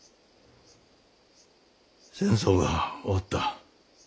戦争が終わった。